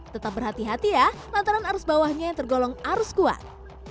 tetap berhati hati ya lantaran arus bawahnya yang tergolong arus kuat